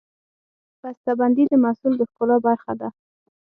بستهبندي د محصول د ښکلا برخه ده.